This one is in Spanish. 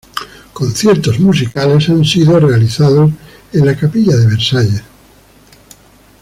Conciertos musicales han sido realizados en la capilla de Versalles.